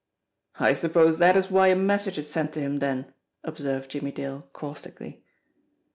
"I suppose that is why a message is sent to him, then," observed Jimmie Dale caustically.